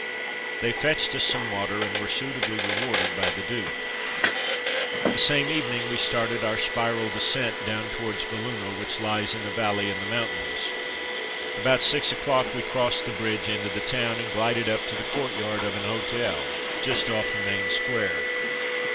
They fetched us some water, and were suitably rewarded by the Duke. The same evening we started our spiral descent down towards Belluno which lies in a valley in the mountains. About six 238 From Mud to Mufti o'clock we crossed the bridge into the town, and glided up to the courtyard of an hotel, just off the main square.